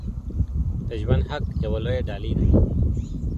د ژوند حق يوه لويه ډالۍ ده.